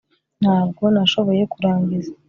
Ntabwo nashoboye kurangiza